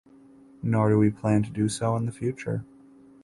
Nor do we plan to do so in the future.